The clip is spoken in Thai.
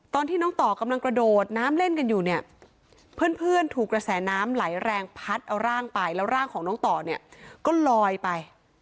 ตอนที่น้องต่อกำลังกระโดดน้ำเล่นกันอยู่เนี่ยเพื่อนถูกกระแสน้ำไหลแรงพัดเอาร่างไปแล้วร่างของน้องต่อเนี่ยก็ลอยไป